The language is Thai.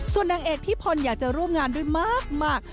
ส่วนนางเอกที่พลอยากจะร่วมงานด้วยมาก